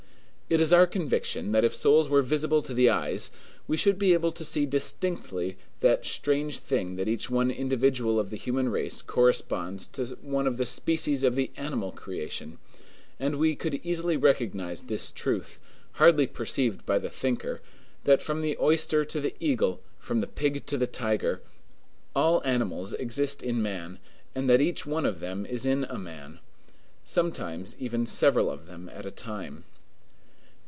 It is our conviction that if souls were visible to the eyes, we should be able to see distinctly that strange thing that each one individual of the human race corresponds to some one of the species of the animal creation; and we could easily recognize this truth, hardly perceived by the thinker, that from the oyster to the eagle, from the pig to the tiger, all animals exist in man, and that each one of them is in a man. Sometimes even several of them at a time.